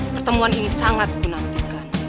pertemuan ini sangat menggunakan